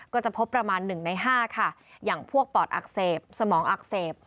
ก็จะพบประมาณ๑ใน๕ค่ะอย่างพวกปอดอักเสบสมองอักเสบ